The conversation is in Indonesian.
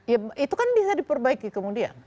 ya itu kan bisa diperbaiki kemudian